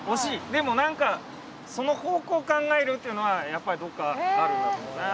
でもなんかその方向を考えるっていうのはやっぱりどこかあるんだと思います。